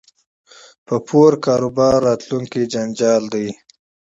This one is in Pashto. په پور کاروبار راتلونکی جنجال دی